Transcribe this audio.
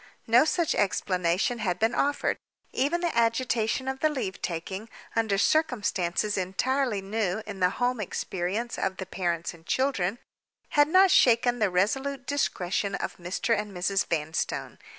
No such explanation had been offered. Even the agitation of the leave taking, under circumstances entirely new in the home experience of the parents and children, had not shaken the resolute discretion of Mr. and Mrs. Vanstone.